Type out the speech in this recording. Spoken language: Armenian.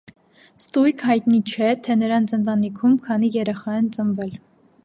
Ստույգ հայտնի չէ, թե նրանց ընտանիքում քանի երեխա են ծնվել։